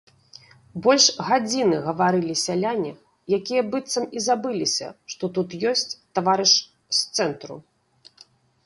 Больш гадзіны гаварылі сяляне, якія быццам і забыліся, што тут ёсць таварыш з цэнтру.